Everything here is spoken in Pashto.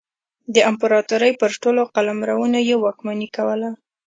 د امپراتورۍ پر ټولو قلمرونو یې واکمني کوله.